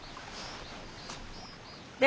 で